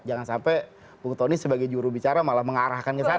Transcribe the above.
jangan sampai bung tony sebagai jurubicara malah mengarahkan ke sana